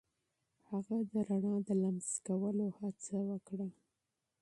هغه د رڼا د لمس کولو هڅه وکړه.